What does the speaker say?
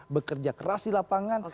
bekerja keras di lapangan